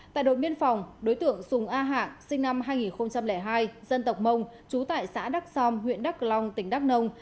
tại đội biên phòng đối tượng sùng a hạng sinh năm hai nghìn hai dân tộc mông trú tại xã đắc xom huyện đắc long tỉnh đắc nông